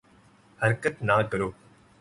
حرکت نہ کرو